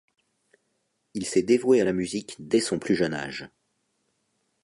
Il s'est dévoué à la musique dès son plus jeune âge.